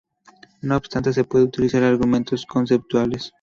No obstante, se pueden utilizar argumentos conceptuales.